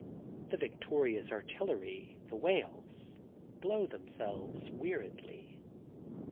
The victorious artillery, the whales, blow themselves, weariedly.